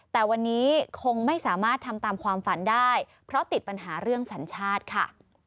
แต่วันนี้คงไม่สามารถทำตามความฝันได้เพราะติดปัญหาเรื่องสัญชาติค่ะ